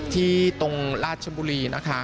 ตรงราชบุรีนะคะ